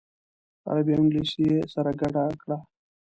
عربي او انګلیسي یې سره ګډه کړه.